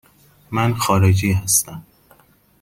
من خارجی هستم.